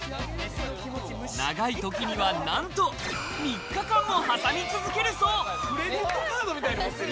長い時には、なんと３日間も挟み続けるそう。